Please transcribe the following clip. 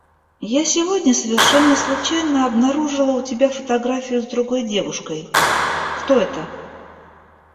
Я сегодня совершенно случайно обнаружила у тебя фотографию с другой девушкой. Кто это?